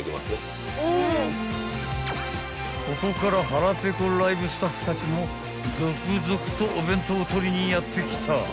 ［ここから腹ペコライブスタッフたちも続々とお弁当を取りにやって来た］